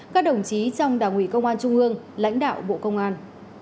các đồng chí trong đảng ủy công an trung ương lãnh đạo bộ công an